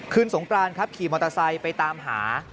สงกรานครับขี่มอเตอร์ไซค์ไปตามหา